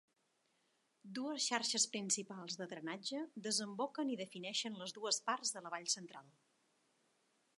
Dues xarxes principals de drenatge desemboquen i defineixen les dues parts de la Vall Central.